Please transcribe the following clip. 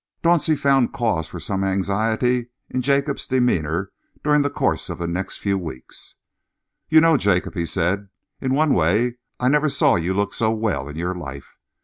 Dauncey found cause for some anxiety in Jacob's demeanour during the course of the next few weeks. "You know, Jacob," he said, "in one way I never saw you look so well in your life.